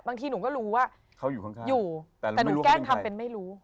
บางทีหนูก็รู้ว่าเขาอยู่ข้างอยู่แต่หนูแกล้งทำเป็นไม่รู้